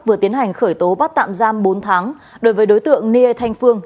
vừa tiến hành khởi tố bắt tạm giam bốn tháng đối với đối tượng niê thanh phương